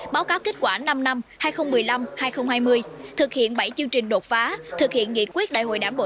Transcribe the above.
báo cáo kết quả năm năm hai nghìn một mươi năm hai nghìn hai mươi thực hiện bảy chương trình đột phá thực hiện nghị quyết đại hội đảng bộ